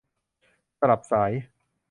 สลับสาย